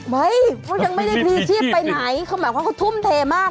เฮ้ยเพราะยังไม่ได้พลีชีพไปไหนเขาหมายความว่าเขาทุ่มเทมาก